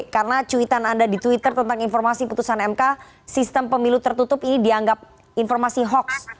karena cuitan anda di twitter tentang informasi keputusan mk sistem pemilu tertutup ini dianggap informasi hoax